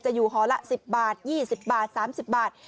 อยู่หอละ๑๐บาท๒๐บาท๓๐บาท